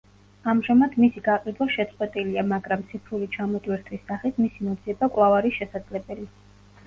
ამჟამად მისი გაყიდვა შეწყვეტილია, მაგრამ ციფრული ჩამოტვირთვის სახით მისი მოძიება კვლავ არის შესაძლებელი.